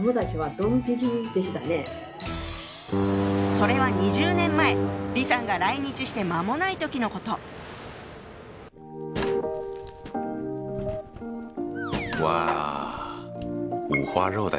それは２０年前李さんが来日して間もない時のこと。わ。